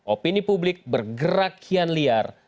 opini publik bergerak kian liar